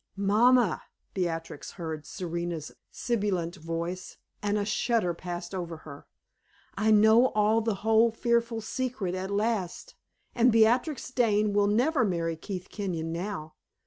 "Mamma," Beatrix heard Serena's sibilant voice, and a shudder passed over her "I know all the whole fearful secret at last, and Beatrix Dane will never marry Keith Kenyon now.